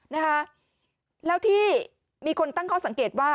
นะคะแล้วที่มีคนตั้งข้อสังเกตว่า